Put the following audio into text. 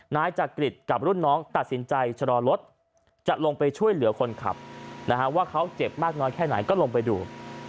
นายจักริตกับรุ่นน้องตัดสินใจชะลอรถจะลงไปช่วยเหลือคนขับว่าเขาเจ็บมากน้อยแค่ไหนก็ลงไปดู